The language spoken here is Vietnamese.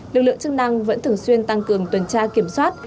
lực lượng chức năng vẫn thường xuyên tăng cường tuần tra kiểm soát